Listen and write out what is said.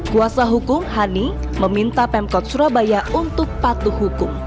bung hani meminta pemkot surabaya untuk patuh hukum